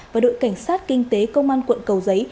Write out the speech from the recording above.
và đội cảnh sát kinh tế công an quận cầu giấy